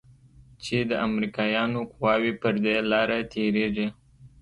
چې د امريکايانو قواوې پر دې لاره تېريږي.